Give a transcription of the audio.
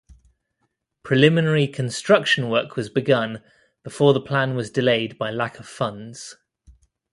Preliminary construction work was begun before the plan was delayed by lack of funds.